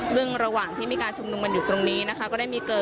ซึ่งระหว่างที่มีการชุมนมอยู่ตรงนี้